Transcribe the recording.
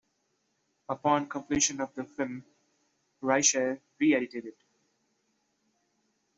Upon completion of the film, Rysher re-edited it.